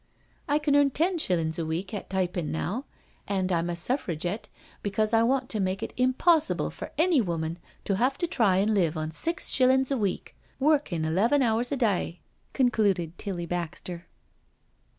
I can earn ten shillin's a week at typin' now, and I'm a Suffragette because I want to make it impossible for any woman to have to try an' live on six shillin's a week, workin' eleven hours a day," concluded Tilly Baxter.